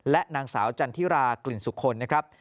และนางสาวจันทิรากลิ่นสุคลนะครับ